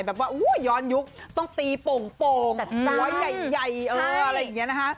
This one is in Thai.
แบบว่าย้อนยุคต้องตีโป่งตัวใหญ่อะไรอย่างนี้นะคะ